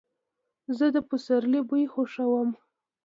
زه د سپرلي بوی خوښوم.